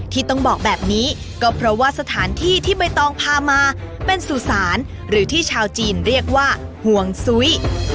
ที่ต้องบอกแบบนี้ก็เพราะว่าสถานที่ที่ใบตองพามาเป็นสุสานหรือที่ชาวจีนเรียกว่าห่วงซุ้ย